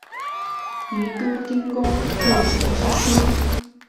宜都丁公穆崇之孙。